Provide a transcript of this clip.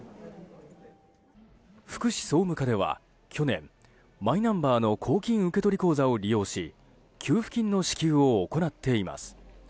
福祉総務課では去年マイナンバーの公金受取口座を利用し給付金の支給を行っています。